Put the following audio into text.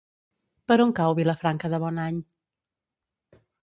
Per on cau Vilafranca de Bonany?